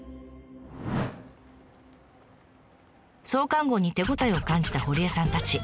創刊号に手応えを感じた堀江さんたち。